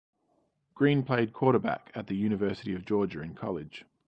Greene played quarterback at the University of Georgia in college.